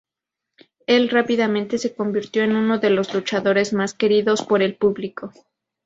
El rápidamente se convirtió en uno de los luchadores más queridos por el público.